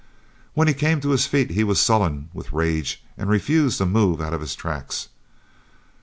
When he came to his feet he was sullen with rage and refused to move out of his tracks.